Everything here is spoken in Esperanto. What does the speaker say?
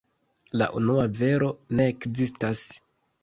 La unua vero ne ekzistas.